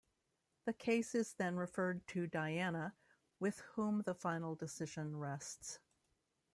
The case is then referred to Diana, with whom the final decision rests.